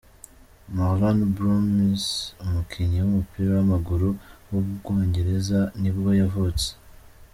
Marlon Broomes, umukinnyi w’umupira w’amaguru w’umwongereza nibwo yavutse.